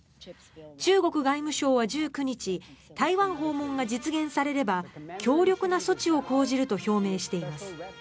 中国外務省は１９日台湾訪問が実現されれば強力な措置を講じると表明しています。